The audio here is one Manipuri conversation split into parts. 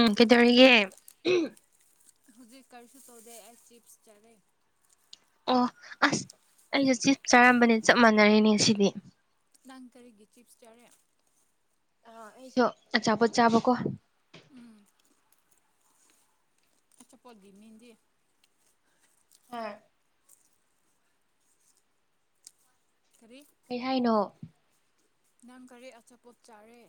ꯎꯝ ꯀꯩꯗꯧꯔꯒꯦ ꯍꯧꯖꯤꯛ ꯀꯔꯤꯁꯨ ꯇꯧꯗꯦ ꯑꯩ ꯆꯤꯞꯁ ꯆꯠꯔꯦ ꯑꯣ ꯑꯁ ꯑꯩꯁꯨ ꯆꯞ ꯆꯥꯔꯝꯕꯅꯦ ꯆꯞ ꯃꯥꯟꯅꯔꯦꯅꯦ ꯁꯤꯗꯤ ꯅꯪ ꯀꯔꯤꯒꯤ ꯆꯤꯞꯁ ꯆꯥꯔꯦ ꯑꯥ ꯑꯩꯗꯣ ꯑꯆꯥꯄꯣꯠ ꯆꯥꯕꯀꯣ ꯑꯆꯥꯄꯣꯠ ꯏꯕꯤꯅꯤꯡꯒꯤ ꯍꯣꯏ ꯀꯔꯤ ꯀꯩ ꯍꯥꯏꯅꯣ ꯅꯪ ꯀꯔꯤ ꯑꯆꯥꯄꯣꯠ ꯆꯥꯔꯤ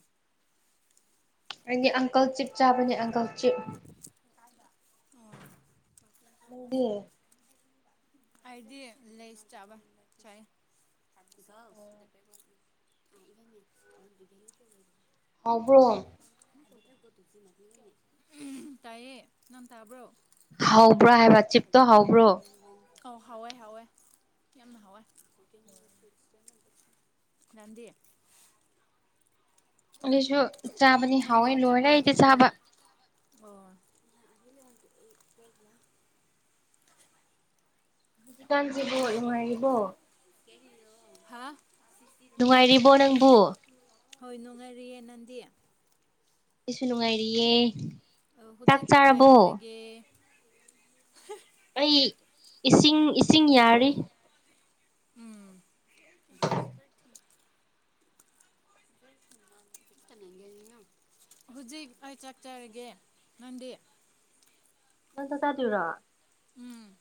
ꯑꯩꯗꯤ ꯑꯪꯀꯜ ꯆꯤꯞ ꯆꯥꯕꯅꯦ ꯑꯪꯀꯜ ꯆꯤꯞ ꯑꯣ ꯅꯪꯗꯤ [unintelligible] [unintelligible] ꯑꯩꯗꯤ ꯂꯦꯁ ꯆꯥꯕ ꯆꯥꯏ ꯆ ꯄꯁ [unintelligible] ꯍꯥꯎꯕ꯭ꯔꯣ ꯇꯥꯏꯌꯦ ꯅꯪ ꯇꯥꯕ꯭ꯔꯣ ꯅ ꯀ ꯍꯥꯎꯕ꯭ꯔꯥ ꯍꯥꯏꯕ ꯆꯤꯞꯇꯣ ꯍꯥꯎꯕ꯭ꯔꯣ ꯑꯧ ꯍꯥꯎꯋꯦ ꯍꯥꯎꯋꯦ ꯌꯥꯝꯅ ꯍꯥꯎꯋꯦ ꯉꯗꯤ ꯑꯩꯁꯨ ꯆꯥꯕꯅꯤ ꯅꯪꯒꯤ ꯍꯥꯎꯋꯦ ꯂꯣꯏꯔꯦ ꯑꯆꯥꯄꯣꯠꯗꯤ ꯑꯩꯗꯤ ꯍꯥꯎ ꯆꯥꯕ ꯑꯣ ꯀꯁꯤ ꯄꯁ ꯅꯨꯡꯉꯥꯏꯔꯤꯕꯣ ꯅꯪꯕꯨ [unintelligible] ꯍꯣꯏ ꯅꯣꯡꯉꯔꯤꯌꯦ ꯅꯪꯗꯤ ꯀꯩꯁꯨ ꯅꯨꯡꯉꯥꯏꯔꯤꯌꯦ ꯆꯥꯛ ꯍꯧꯖꯤꯛ ꯆꯥꯔꯕꯣ ꯀꯩꯗꯧꯔꯤꯒꯦ ꯑꯩ ꯏꯁꯤꯡ ꯏꯁꯤꯡ ꯌꯥꯔꯤ ꯎꯝ ꯍꯧꯖꯤꯛ ꯑꯩ ꯆꯠꯆꯔꯒꯦ ꯅꯪꯗꯤ ꯅ ꯆ ꯆ ꯇꯨꯔꯣ ꯎꯝ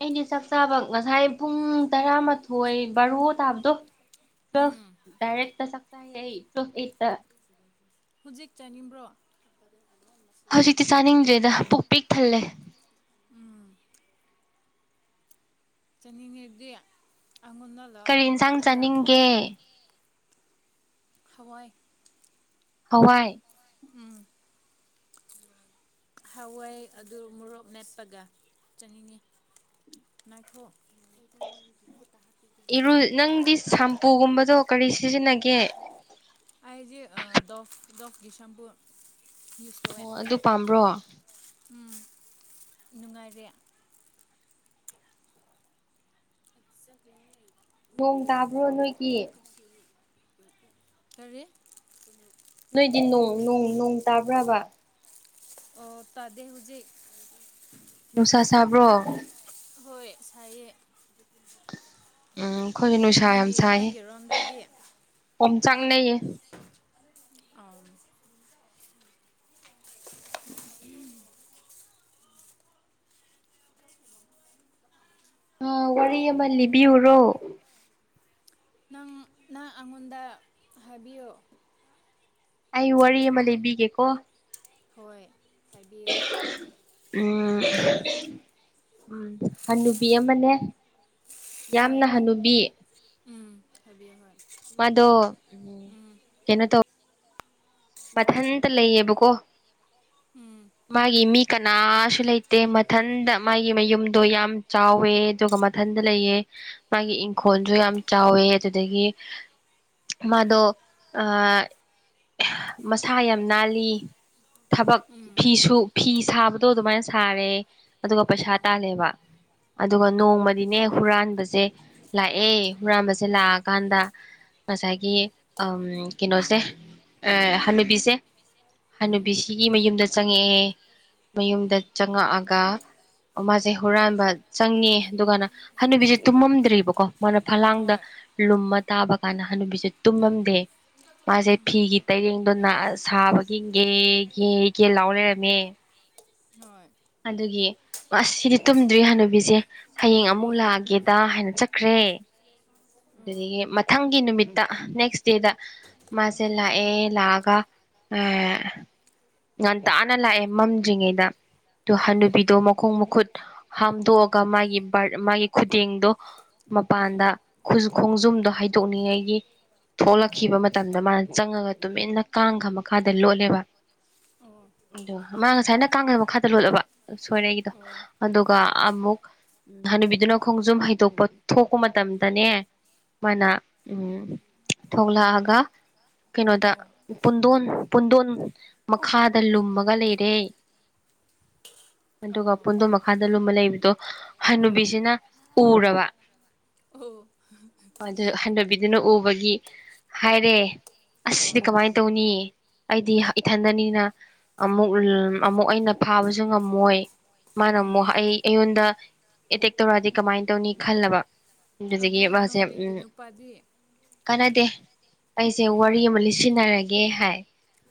ꯑꯩꯗꯤ ꯆꯥꯛ ꯆꯥꯕ ꯉꯁꯥꯏ ꯄꯨꯡ ꯇꯔꯥꯃꯥꯊꯣꯏ ꯕꯥꯔꯣ ꯇꯥꯕꯗꯣ ꯭ꯋ ꯎꯝ ꯗꯗꯥꯏꯔꯦ ꯇ ꯁꯛꯁ ꯍꯥꯏ꯭ꯋ ꯊꯦꯡ ꯊꯦꯡꯌꯨ ꯍꯧꯖꯤꯛ ꯆꯥꯅꯤꯡꯕ꯭ꯔꯣ ꯇꯗꯝ ꯍꯧꯖꯤꯛꯇꯤ ꯆꯥꯅꯤꯡꯗ꯭ꯔꯦꯗ ꯄꯨꯛ ꯄꯤꯛ ꯊꯜꯂꯦ ꯆꯠꯅꯤꯡꯉꯤꯗꯤ ꯑꯩꯉꯣꯟꯟꯅ ꯂꯣꯏꯒꯤꯇꯗ ꯌꯦꯦ ꯍꯋꯥꯏ ꯍꯋꯥꯏ ꯎꯝ ꯍꯋꯥꯏ ꯑꯗꯨ ꯃꯣꯔꯣꯛ ꯃꯦꯞꯄꯒ ꯆꯪꯅꯤꯡꯉꯤ ꯅꯥꯏꯈꯣ ꯏꯔꯨ ꯅꯪꯗꯤ ꯁꯝꯄꯨꯒꯨꯝꯕꯗꯣ ꯀꯔꯤ ꯁꯤꯖꯤꯟꯅꯒꯦ ꯑꯩ ꯗꯤ ꯗꯣꯐ ꯗꯣꯐꯀꯤ ꯁꯝꯄꯨ ꯌꯨꯁ ꯇꯧꯑꯦ ꯑꯣ ꯑꯗꯨ ꯄꯥꯝꯕ꯭ꯔꯣ ꯎꯝ ꯅꯨꯡꯉꯥꯏꯔꯦ ꯅꯣꯡ ꯇꯥꯕ꯭ꯔꯣ ꯅꯣꯏꯒꯤ [unintelligible] ꯀꯔꯤ ꯅꯣꯏꯗꯤ ꯅꯣ ꯅꯣꯡ ꯇꯥꯕ꯭ꯔꯥꯕ ꯑꯣ ꯇꯥꯗꯦ ꯍꯧꯖꯤꯛ ꯅꯨꯡꯁꯥ ꯁꯥꯕ꯭ꯔꯣ ꯍꯣꯏ ꯁꯥꯏꯌꯦ ꯎꯝ ꯑꯩꯈꯣꯏꯗꯤ ꯅꯨꯡꯁꯥ ꯅꯪ ꯌꯥꯝ ꯁꯥꯏꯌꯦ ꯅꯪꯔꯣꯗꯥꯗꯤ ꯑꯣꯝ ꯆꯥꯡꯒꯅꯌꯦ ꯑ ꯑ ꯋꯥꯔꯤ ꯑꯃ ꯂꯤꯕꯤꯌꯨꯔꯣ ꯅꯪ ꯅꯪ ꯑꯩꯉꯣꯟꯗ ꯍꯥꯏꯕꯤꯌꯨ ꯑꯩ ꯋꯥꯔꯤ ꯑꯃ ꯂꯩꯕꯤꯒꯦꯀꯣ ꯍꯣꯏ ꯍꯥꯏꯕꯤꯌꯨ ꯎꯝ ꯎꯝ ꯍꯟꯅꯕꯤ ꯑꯃꯅꯦ ꯍꯣꯏ ꯌꯥꯝꯅ ꯍꯅꯨꯕꯤ ꯎꯝ ꯍꯥꯏꯕꯤꯌꯨ ꯍꯣꯏ ꯎꯝ ꯀꯩꯅꯣ ꯇꯣ ꯍꯣꯏ ꯃꯊꯟꯇ ꯂꯩꯌꯦꯕꯀꯣ ꯎꯝ ꯃꯥꯒꯤ ꯃꯤ ꯀꯅꯥꯁꯨ ꯂꯩꯇꯦ ꯃꯊꯟꯗ ꯃꯥꯒꯤ ꯃꯌꯨꯝꯗꯣ ꯌꯥꯝ ꯆꯥꯎꯋꯦ ꯑꯗꯨꯒ ꯏꯊꯟꯗ ꯂꯩꯑꯦ ꯃꯥꯒꯤ ꯏꯪꯈꯣꯜꯁꯨ ꯌꯥꯝ ꯆꯥꯎꯋꯦ ꯑꯗꯨꯗꯒꯤ ꯃꯥꯗꯣ ꯃꯁꯥ ꯌꯥꯝ ꯅꯥꯜꯂꯤ ꯊꯕꯛ ꯎꯝ ꯐꯤꯁꯨ ꯐꯤ ꯁꯥꯕꯗꯣ ꯑꯗꯨꯃꯥꯏꯅ ꯁꯥꯔꯦ ꯑꯗꯨꯒ ꯄꯩꯁꯥ ꯇꯥꯂꯦꯕ ꯑꯗꯨꯒ ꯅꯣꯡꯃꯗꯤꯅꯦ ꯍꯨꯔꯥꯟꯕꯁꯦ ꯂꯥꯛꯑꯦ ꯍꯨꯔꯥꯟꯕꯁꯦ ꯂꯥꯛꯑꯀꯥꯟꯗ ꯉꯁꯥꯏꯒꯤ ꯀꯩꯅꯣꯁꯦ ꯍꯅꯨꯕꯤꯁꯦ ꯍꯥꯟꯅꯨꯕꯤꯁꯤꯒꯤ ꯃꯌꯨꯝꯗ ꯆꯪꯉꯛꯑꯦ ꯃꯌꯨꯝꯗ ꯆꯪꯉꯛꯑꯒ ꯃꯥꯁꯦ ꯍꯨꯔꯥꯟꯕ ꯆꯪꯉꯦ ꯑꯗꯨꯒꯅ ꯍꯥꯟꯅꯨꯕꯤꯁꯦ ꯇꯨꯝꯃꯝꯗ꯭ꯔꯤꯕꯀꯣ ꯃꯥꯅ ꯐꯂꯥꯡꯗ ꯍꯣꯏ ꯂꯨꯝꯃ ꯇꯥꯕ ꯀꯥꯟꯗ ꯍꯅꯨꯕꯤꯁꯦ ꯇꯨꯝꯃꯝꯗꯦ ꯃꯥꯁꯦ ꯐꯤꯒꯤ ꯇꯩꯔꯦꯡ ꯑꯗꯨꯅ ꯁꯥꯕꯒꯤ ꯒꯦꯒꯦꯒꯦ ꯂꯥꯎ ꯂꯩꯔꯝꯃꯦ ꯍꯣꯏ ꯑꯗꯨꯒꯤ ꯑꯁ ꯁꯤꯗꯤ ꯇꯨꯝꯗ꯭ꯔꯤ ꯍꯥꯟꯅꯨꯕꯤꯁꯦ ꯍꯌꯦꯡ ꯑꯃꯨꯛ ꯍꯣꯏ ꯂꯥꯛꯑꯒꯦꯗ ꯍꯥꯏꯅ ꯆꯠꯈ꯭ꯔꯦ ꯑꯗꯨꯗꯒꯤ ꯃꯊꯪꯒꯤ ꯅꯨꯃꯤꯠꯇ ꯅꯦꯛꯁ ꯗꯦꯗ ꯎꯝ ꯃꯥꯁꯦꯂꯥꯡ ꯑꯦ ꯂꯥꯛꯒ ꯑ ꯉꯥꯟ ꯇꯥꯅ ꯂꯥꯛꯑꯦ ꯃꯝꯗ꯭ꯔꯤꯉꯩꯗ ꯑꯗꯨ ꯍꯅꯨꯄꯤꯗꯣ ꯃꯈꯣꯡ ꯃꯈꯨꯠ ꯍꯥꯝꯗꯣꯛꯑꯒ ꯃꯥꯒꯤ ꯕꯥ ꯃꯥꯒꯤ ꯈꯨꯗꯦꯡꯗꯣ ꯍꯣꯏ ꯃꯄꯥꯟꯗ ꯈꯨ ꯈꯣꯡꯖꯨꯝꯗꯣ ꯍꯥꯏꯩꯗꯣꯛꯅꯤꯡꯉꯥꯏꯒꯤ ꯊꯣꯛꯂꯛꯈꯤꯕ ꯃꯇꯝꯗ ꯃꯥꯅ ꯆꯪꯉꯒ ꯇꯨꯃꯤꯟꯅ ꯀꯥꯡꯈ ꯃꯈꯥꯗ ꯂꯣꯠꯂꯦꯕ ꯑꯣ ꯑꯗꯣ ꯃꯥ ꯉꯁꯥꯏꯅ ꯀꯥꯡꯒ ꯃꯈꯥ ꯆꯂꯣꯂꯕ ꯁꯣꯏꯔ ꯑꯩꯒꯤꯗꯣ ꯑꯗꯨꯒ ꯑꯃꯨꯛ ꯎꯝ ꯍꯥꯟꯅꯨꯕꯤꯗꯨꯅ ꯈꯣꯡꯖꯨꯝ ꯍꯩꯗꯣꯛꯄ ꯊꯣꯛꯄ ꯃꯇꯝꯗꯅꯦ ꯃꯥꯏ꯫ꯅ ꯎꯝ ꯊꯣꯛꯂꯛꯑꯒ ꯀꯩꯅꯣꯗ ꯄꯨꯟꯗꯣꯟ ꯄꯨꯟꯗꯣꯟ ꯃꯈꯥꯗ ꯂꯨꯝꯃꯒ ꯂꯩꯔꯦ ꯑꯣ ꯑꯣ ꯑꯗꯨꯒ ꯑꯣ ꯄꯟꯗꯣ ꯃꯈꯥꯗ ꯂꯨꯝꯕ ꯂꯩꯕꯗꯣ ꯍꯅꯨꯕꯤꯁꯤꯅ ꯎꯔꯕ ꯑꯣ ꯑꯣ ꯑꯗꯨ ꯍꯟꯊꯕꯤꯗꯨꯅ ꯎꯕꯒꯤ ꯍꯥꯏꯔꯦ ꯑꯁꯗꯤ ꯑꯣ ꯀꯃꯥꯏꯅ ꯇꯧꯅꯤ ꯑꯩꯗꯤ ꯏꯊꯟꯗꯅꯤꯅ ꯑꯃꯨꯛ ꯑꯃꯨꯛ ꯑꯩꯅ ꯐꯥꯕꯁꯨ ꯉꯝꯃꯣꯏ ꯃꯥꯅ ꯎꯝ ꯑꯃꯨꯛ ꯑꯩ ꯑꯩꯉꯣꯟꯗ ꯑꯦꯇꯦꯛ ꯇꯧꯔꯛꯑꯗꯤ ꯀꯃꯥꯏꯅ ꯇꯧꯅꯤ ꯈꯜꯂꯕ ꯑꯗꯨꯗꯒꯤ ꯑꯗꯨ ꯃꯥꯁꯦ ꯍꯅꯨꯕꯤꯒꯤ ꯎꯝ ꯅꯨꯄꯥꯗꯤ ꯀꯥꯟꯅꯗꯦ ꯑꯩꯁꯦ ꯋꯥꯔꯤ ꯑꯃ ꯂꯤꯠꯁꯤꯟꯅꯔꯒꯦ ꯍꯥꯏ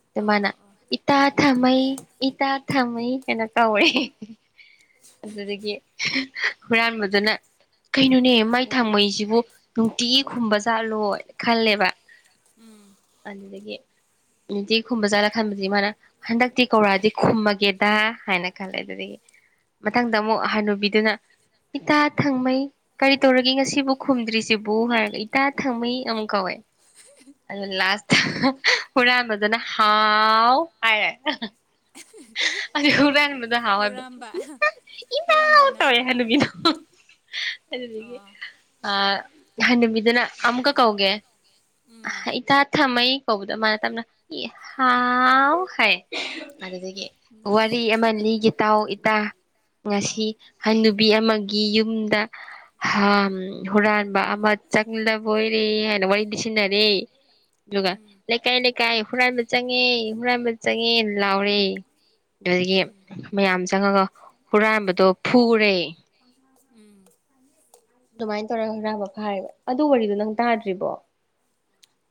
ꯑꯗꯨ ꯑꯣ ꯃꯥꯅ ꯑꯣ ꯑꯣ ꯏꯇꯥ ꯊꯝꯃꯩ ꯏꯇꯥ ꯊꯝꯃꯩ ꯍꯥꯏꯅ ꯀꯧꯏꯦ ꯑꯗꯨꯗꯒꯤ ꯍꯨꯔꯥꯟꯕꯗꯨꯅ ꯀꯩꯅꯣꯅꯦ ꯎꯝ ꯃꯥꯏ ꯊꯥꯡꯃꯩꯁꯤꯕꯨ ꯅꯨꯡꯇꯤꯒꯤ ꯈꯨꯝꯕꯖꯥꯠꯂꯣꯏ ꯈꯜꯂꯦꯕ ꯎꯝ ꯑꯗꯨꯗꯒꯤ ꯑꯗꯨꯗꯤ ꯈꯨꯝꯕ ꯖꯥꯠꯂ ꯈꯟꯕꯗꯤ ꯃꯥꯅ ꯍꯟꯗꯛꯇꯤ ꯀꯧꯔꯥꯗꯤ ꯈꯨꯝꯃ ꯒꯦꯗꯥ ꯍꯥꯏꯅ ꯈꯜꯂꯦ ꯑꯗꯨꯗꯒꯤ ꯃꯊꯪꯗ ꯑꯃꯨꯛ ꯍꯅꯨꯕꯤꯗꯨꯅ ꯏꯇꯥ ꯊꯪꯃꯩ ꯀꯔꯤ ꯇꯧꯔꯒꯦ ꯉꯁꯤꯕꯨ ꯈꯨꯝꯗ꯭ꯔꯤꯁꯤꯕꯨ ꯍꯥꯏꯔꯒ ꯏꯇꯥ ꯊꯪꯃꯩ ꯑꯃꯨꯡ ꯀꯧꯋꯦ ꯑꯗꯨ ꯂꯥꯁꯇ ꯍꯨꯔꯥꯟꯕ ꯗꯨꯅ ꯍꯥꯎ ꯍꯥꯏꯔꯦ ꯑꯗꯨ ꯍꯨꯔꯥꯟꯕꯅ ꯍꯥꯎ ꯍꯥꯏꯕꯗꯣ ꯍꯨꯔꯥꯝꯕ ꯏꯃꯥꯎ ꯍꯨꯔꯥꯝꯕꯅ ꯇꯧꯋꯦ ꯍꯥꯏ ꯍꯅꯨꯕꯤꯗꯣ ꯑꯗꯨꯗꯒꯤ ꯑꯣ ꯑ ꯍꯥꯅꯨꯕꯤꯗꯨꯅ ꯑꯃꯨꯛꯀ ꯀꯧꯒꯦ ꯎꯝ ꯏꯇꯥ ꯊꯝꯃꯩ ꯀꯧꯕꯗ ꯃꯥꯅ ꯇꯞꯅ ꯍꯥꯎ ꯍꯥꯏ ꯑꯗꯨꯗꯒꯤ ꯋꯥꯔꯤ ꯅꯪꯁꯨ ꯑꯃꯅꯤ ꯂꯤꯒꯦ ꯇꯥꯎ ꯏꯇꯥ ꯉꯁꯤ ꯑꯣ ꯍꯟꯅꯨꯕꯤ ꯑꯃꯒꯤ ꯌꯨꯝꯗ ꯍꯝ ꯍꯨꯔꯥꯟꯕ ꯑꯃ ꯆꯪꯂꯕ ꯑꯣꯏꯔꯦ ꯍꯥꯏꯅ ꯋꯥꯔꯤꯗꯤ ꯁꯤꯟꯅꯔꯦ ꯑꯗꯨꯒ ꯎꯝ ꯂꯩꯀꯥꯏ ꯂꯩꯀꯥꯏ ꯍꯨꯔꯥꯟꯕ ꯆꯪꯉꯦ ꯍꯨꯔꯥꯟꯕ ꯆꯪꯉꯦ ꯂ__ ꯂꯥꯎꯔꯦ ꯑꯗꯨꯗꯒꯤ ꯃꯌꯥꯝ ꯆꯪꯉꯒ ꯍꯨꯔꯥꯟꯕꯗꯣ ꯐꯨꯔꯦ ꯎꯝ ꯑꯗꯨꯃꯥꯏꯅ ꯇꯧꯔꯒ ꯍꯨꯔꯥꯟꯕ ꯐꯥꯔꯤꯕ ꯑꯗꯨ ꯋꯥꯔꯤꯗꯣ ꯅꯪ ꯇꯥꯗ꯭ꯔꯤꯕꯣ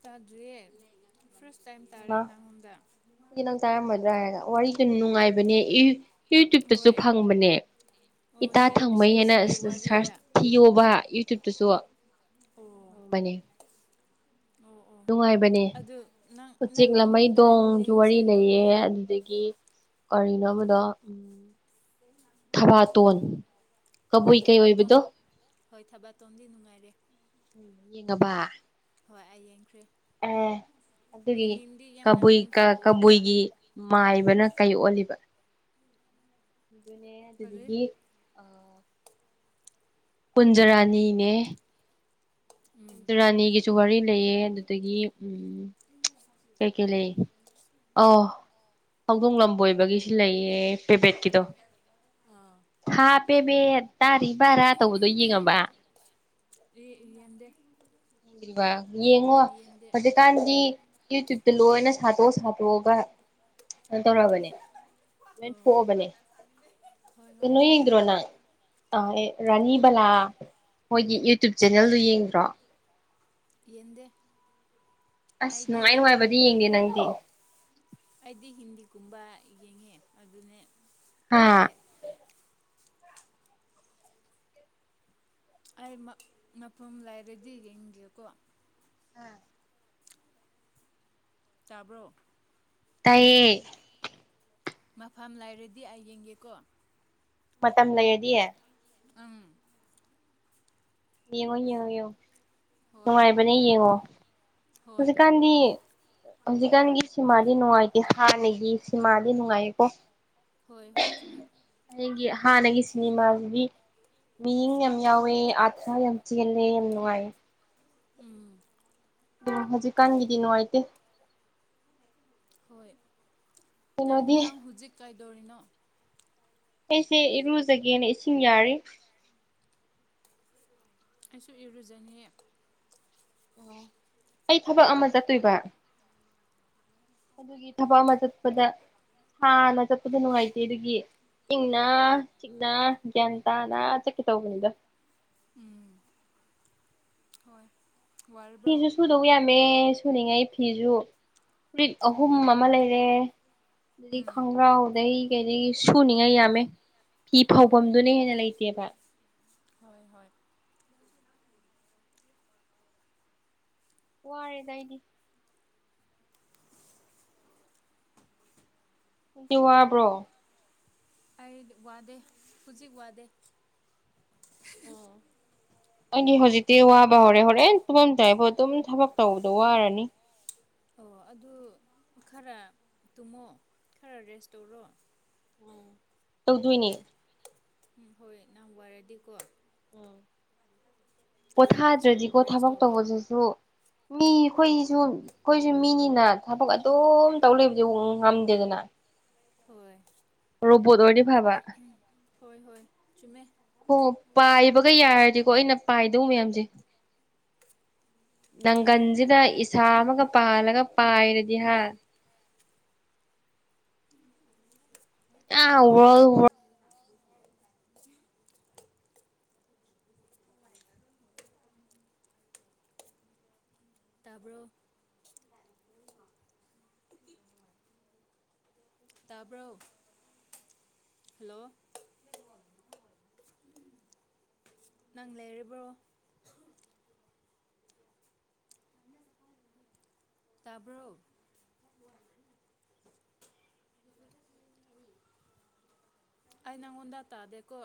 ꯇꯥꯗ꯭ꯔꯤꯌꯦ ꯐꯥꯔꯁ ꯇꯥꯏꯝ ꯇꯥꯔꯦ ꯃꯥ ꯅꯪꯉꯣꯟꯗ ꯑꯗꯨꯗꯤ ꯅꯪ ꯇꯥꯔꯝꯃꯗ꯭ꯔꯥ ꯍꯥꯏꯔꯒ ꯋꯥꯔꯤꯗꯨ ꯅꯨꯡꯉꯥꯏꯕꯅꯦ ꯏ꯭ꯌꯨ ꯌꯨꯇ꯭ꯨꯌꯕꯇꯁꯨ ꯍꯣꯏ ꯐꯪꯕꯅꯦ ꯑꯣ ꯏꯇꯥ ꯁꯤ ꯊꯪꯃꯩ ꯁꯤ ꯍꯥꯏꯅ ꯁꯤꯒꯤ ꯁꯔꯁ ꯋꯥꯔꯤꯔ ꯊꯤꯌꯣꯕ ꯌꯨꯇ꯭ꯨꯕ ꯇꯁꯨ ꯐꯪꯕꯅꯦ ꯑꯣ ꯑꯣ ꯅꯨꯡꯉꯥꯏꯕꯅꯦ ꯑꯗꯨ ꯅꯪ ꯎꯆꯦꯛ ꯅꯪ ꯂꯥꯃꯩ ꯑꯩꯉꯣꯟꯗ ꯗꯣꯡꯁꯨ ꯂꯤꯡ ꯋꯥꯔꯤ ꯁꯦꯟ ꯂꯩꯌꯦ ꯇꯧꯕꯤꯌꯣ ꯑꯗꯨꯗꯒꯤ ꯀꯔꯤꯅꯣ ꯑꯃꯗꯣ ꯎꯝ [unintelligible] ꯊꯕꯥꯇꯣꯟ ꯍꯣꯏ ꯀꯕꯨꯏ ꯀꯩ ꯊꯕꯥꯇꯣꯟ ꯑꯣꯏꯕꯗꯣ ꯍꯣꯏ ꯊꯕꯥꯇꯣꯟꯗꯤ ꯅꯨꯡꯉꯥꯏꯔꯦ ꯌꯦꯡꯉꯕꯥ ꯍꯣꯏ ꯑꯩ ꯌꯦꯡꯈ꯭ꯔꯦ ꯑꯗꯨꯒꯤ ꯃꯤꯅꯤꯡꯗꯤ ꯌꯥꯝꯅ ꯀꯕꯨꯏ ꯃꯤꯅꯤꯡꯐꯨꯜ ꯑꯣꯏꯌꯦꯀꯣ ꯀꯕꯨꯏꯒꯤ ꯃꯥꯏꯕꯅ ꯀꯩ ꯑꯣꯜꯂꯤꯕ ꯑꯗꯨꯅꯦ ꯀꯔꯤ ꯑꯗꯨꯗꯒꯤ ꯀꯨꯟꯖꯔꯥꯅꯤꯅꯦ ꯎꯝ ꯀꯨꯟꯖꯔꯥꯅꯤꯒꯤꯁꯨ ꯋꯥꯔꯤ ꯂꯩꯌꯦ ꯑꯗꯨꯗꯒꯤ ꯎꯝ [unintelligible] ꯀꯩ ꯀꯩ ꯂꯩ ꯑꯣꯍ ꯍꯧꯗꯣꯡ ꯂꯝꯕꯣꯏꯕꯒꯤꯁꯤ ꯂꯩꯌꯦ ꯄꯦꯕꯦꯠꯀꯤꯗꯣ ꯑꯥ ꯍꯥ ꯄꯦꯕꯦꯠ ꯇꯥꯔꯤ ꯕꯥꯔꯥ ꯇꯧꯕꯗꯣ ꯌꯦꯡꯉꯕ ꯑꯦꯍ ꯌꯦꯟꯗꯦ ꯌꯦꯡꯗ꯭ꯔꯤꯕꯥ ꯌꯦꯡꯉꯣ ꯌꯦꯡꯗꯦ ꯍꯧꯖꯤꯛ__ ꯀꯥꯟꯗꯤ ꯌꯨꯇ꯭ꯌꯨꯕꯇ ꯂꯣꯏꯅ ꯁꯥꯗꯣꯛ ꯁꯥꯗꯣꯛꯑꯒ ꯀꯩꯟ ꯇꯧꯑꯔꯕꯅꯦ [unintelligible] ꯑꯣ [unintelligible] ꯀꯩꯅꯣ ꯆꯨꯝꯃꯦ ꯌꯦꯡꯗ꯭ꯔꯣ ꯅꯪ ꯑ ꯑꯦ ꯔꯥꯅꯤ ꯕꯂꯥ ꯃꯣꯏꯒꯤ ꯌꯨꯇ꯭ꯨꯞ ꯆꯦꯅꯦꯜꯗꯨ ꯌꯦꯡꯗ꯭ꯔꯣ ꯌꯦꯡꯗꯦ ꯑꯁ ꯑꯩꯗꯤ ꯅꯨꯡꯉꯥꯏ ꯅꯨꯡꯉꯥꯏꯕꯗꯤ ꯌꯦꯡꯗꯦ ꯅꯪꯗꯤ ꯑꯩꯗꯤ ꯍꯤꯟꯗꯤꯒꯨꯝꯕ ꯌꯦꯡꯉꯦ ꯑꯗꯨꯅꯦ ꯍꯥ ꯌꯦꯟꯗꯦ ꯑꯩ ꯃ ꯃꯐꯝ ꯂꯩꯔꯗꯤ ꯌꯦꯡꯒꯦꯀꯣ ꯍꯣꯏ ꯇꯥꯕ꯭ꯔꯣ ꯇꯥꯏꯌꯦ ꯃꯐꯝ ꯂꯩꯔꯗꯤ ꯑꯩ ꯌꯦꯡꯒꯦꯀꯣ ꯃꯇꯝ ꯂꯩꯔꯗꯤ ꯑꯪ ꯌꯦꯡꯉꯣ ꯌꯦꯡꯉꯣ ꯌꯦꯡꯉꯣ ꯍꯣꯏ ꯅꯨꯡꯉꯥꯏꯕꯅꯦ ꯌꯦꯡꯉꯣ ꯍꯣꯏ ꯍꯧꯖꯤꯛꯀꯥꯟꯗꯤ ꯍꯧꯖꯤꯛꯀꯥꯟꯒꯤ ꯁꯤꯃꯥꯗꯤ ꯅꯨꯡꯉꯥꯏꯇꯦ ꯍꯥꯟꯅꯒꯤ ꯁꯤꯃꯥꯗꯤ ꯅꯨꯡꯉꯥꯏꯌꯦꯀꯣ ꯍꯣꯏ ꯍꯣꯏ ꯆꯨꯝꯃꯦ ꯑꯩꯒꯤ ꯍꯥꯟꯅꯒꯤ ꯁꯤꯅꯤꯃꯥꯁꯤꯗꯤ ꯃꯤꯌꯤꯡ ꯌꯥꯝ ꯌꯥꯎꯋꯦ ꯑꯥꯔ__ ꯊ ꯌꯥꯝ ꯆꯦꯜꯂꯦ ꯌꯥꯝ ꯅꯨꯡꯉꯥꯏꯌꯦ ꯎꯝ [unintelligible] ꯎꯝ ꯍꯧꯖꯤꯛꯀꯥꯟꯒꯤꯗꯤ ꯅꯨꯡꯉꯥꯏꯇꯦ ꯍꯣꯏ ꯅꯪ ꯀꯩꯅꯣꯗꯤ ꯅꯪ ꯍꯨꯖꯤꯛ ꯀꯩꯗꯧꯔꯤꯅꯣ ꯑꯩꯁꯦ ꯏꯔꯨꯖꯒꯦꯅ ꯏꯁꯤꯡ ꯌꯥꯔꯤ ꯑꯩꯁꯨ ꯏꯔꯨꯖꯅꯤ ꯑꯩ ꯊꯕꯛ ꯑꯃ ꯆꯠꯇꯣꯏꯕ ꯑꯗꯨꯒꯤ ꯊꯕꯛ ꯑꯃ ꯆꯠꯄꯗ ꯍꯥꯟꯅ ꯆꯠꯄꯗ ꯅꯨꯡꯉꯥꯏꯇꯦ ꯑꯗꯨꯒꯤ ꯏꯟꯅ ꯆꯤꯡꯅ ꯒ꯭ꯌꯥꯟ ꯇꯥꯅ ꯆꯠꯀꯦ ꯇꯧꯕꯅꯤꯗꯥ ꯎꯝ ꯍꯣꯏ ꯋꯥꯔꯕ꯭ꯔꯣ ꯐꯤꯁꯨ ꯁꯨꯗꯧ ꯌꯥꯝꯃꯦ ꯁꯨꯅꯤꯡꯉꯥꯏ ꯐꯤꯁꯨ ꯐꯨꯔꯤꯠ ꯑꯍꯨꯝ ꯑꯃ ꯂꯩꯔꯦ ꯑꯗꯨꯗꯤ ꯎꯝ ꯈꯣꯡꯒ꯭ꯔꯥꯎꯗꯒꯤ ꯀꯩꯩꯗꯒꯤ ꯁꯨꯅꯤꯡꯉꯥꯏ ꯌꯥꯝꯃꯦ ꯐꯤ ꯑꯣ ꯐꯧꯐꯝꯗꯨꯅ ꯍꯦꯟꯅ ꯂꯩꯇꯦꯕ ꯍꯣꯏ ꯍꯣꯏ ꯋꯥꯔꯦꯗ ꯑꯩꯗꯤ ꯅꯪꯗꯤ ꯋꯥꯕ꯭ꯔꯣ ꯑꯩ ꯋꯥꯗꯦ ꯍꯨꯖꯤꯛ ꯋꯥꯗꯦ ꯑꯣ ꯑꯩꯗꯤ ꯍꯧꯖꯤꯛꯇꯤ ꯋꯥꯕ ꯍꯧꯔꯦ ꯍꯣꯔꯦꯟ ꯇꯨꯝꯂꯝ ꯇꯏꯐꯥꯎ ꯑꯗꯨꯝ ꯊꯕꯛ ꯇꯧꯕꯗꯣ ꯋꯥꯔꯅꯤ ꯑꯣ ꯑꯗꯨ ꯈꯔ ꯇꯨꯝꯃꯣ ꯈꯔ ꯔꯦꯁ ꯇꯧꯔꯣ ꯎꯝ ꯇꯧꯗꯣꯏꯅꯦ ꯎꯝ ꯍꯣꯏ ꯅꯪ ꯋꯥꯔꯗꯤꯀꯣ ꯎꯝ ꯈꯔ ꯋꯦꯁ ꯇꯧ ꯄꯣꯊꯥꯗ꯭ꯔꯗꯤꯀꯣ ꯔꯦꯁ ꯊꯕꯛ ꯇꯧꯔꯣ ꯇꯧꯕꯗꯨꯁꯨ ꯃꯤ ꯑꯩꯈꯣꯏꯁꯨ ꯑꯩꯈꯣꯏꯁꯨ ꯃꯤꯅꯤꯅ ꯊꯕꯛ ꯑꯗꯨꯝ ꯇꯧ ꯂꯩꯕꯗꯤ ꯉꯝꯗꯦꯗꯅ ꯍꯣꯏ ꯔꯣꯕꯣꯠ ꯑꯣꯏꯔꯗꯤ ꯐꯕ ꯍꯣꯏ ꯍꯣꯏ ꯆꯨꯝꯃꯦ ꯍꯣ ꯄꯥꯏꯕꯒ ꯌꯥꯔꯗꯤꯀꯣ ꯑꯩꯅ ꯄꯥꯏꯗꯧ ꯃꯌꯥꯝꯁꯦ ꯅꯪꯒꯟꯁꯤꯗ ꯏꯁꯥ ꯑꯃꯒ ꯄꯥꯜꯂꯒ ꯄꯥꯏꯔꯗꯤ ꯍꯥ ꯑ ꯑꯗꯨꯅꯦ ꯋꯥꯜꯋꯔ ꯇꯥꯕ꯭ꯔꯣ ꯇꯥꯕ꯭ꯔꯣ ꯍꯜꯂꯣ ꯅꯪ ꯂꯩꯔꯤꯕ꯭ꯔꯣ ꯇꯥꯕ꯭ꯔꯣ ꯑꯩ ꯅꯪꯉꯣꯟꯗ ꯇꯥꯗꯦꯀꯣ